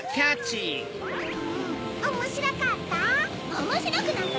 おもしろかった？